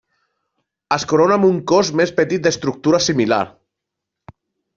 Es corona amb un cos més petit d'estructura similar.